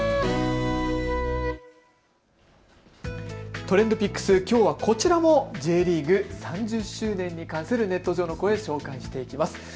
ＴｒｅｎｄＰｉｃｋｓ、きょうはこちらもＪリーグ３０周年に関するネット上の声を紹介していきます。